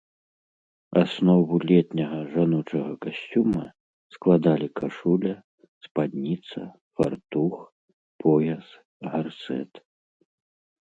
Аснову летняга жаночага касцюма складалі кашуля, спадніца, фартух, пояс, гарсэт.